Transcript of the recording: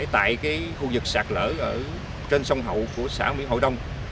tại khu vực sạt lở ở trên sông hậu của xã mỹ hội đông